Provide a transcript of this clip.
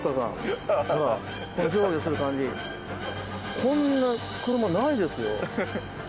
こんな車ないですよ。